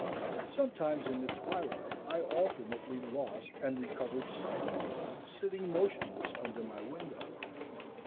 Sometimes in the twilight I alternately lost and recovered sight of one sitting motionless under my window.